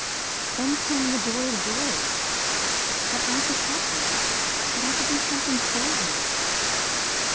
Then came the joy of joys, that I could help you that I could do something for you.